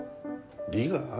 利がある？